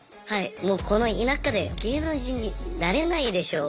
もうこの田舎で芸能人になれないでしょみたいな感じで。